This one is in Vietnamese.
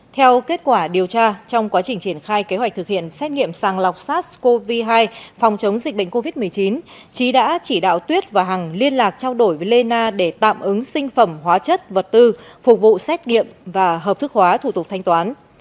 theo kết quả điều tra trong quá trình triển khai kế hoạch thực hiện xét nghiệm sàng lọc sars cov hai phòng chống dịch bệnh covid một mươi chín trí đã chỉ đạo tuyết và hằng liên lạc trao đổi với lê na để tạm ứng sinh phẩm hóa chất vật tư phục vụ xét nghiệm và hợp thức hóa thủ tục thanh toán